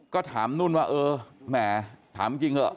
ก็ถามนุ่นว่าเออแหมถามจริงเถอะ